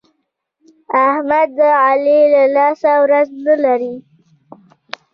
احمد د علي له لاسه ورځ نه لري.